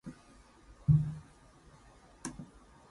The "Demon Hunter" booklet features four 'chapters' of sorts.